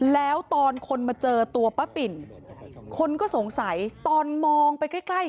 แล้วตอนคนมาเจอตัวป้าปิ่นคนก็สงสัยตอนมองไปใกล้